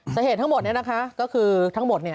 สาเหตุทั้งหมดเนี่ยนะคะก็คือทั้งหมดเนี่ย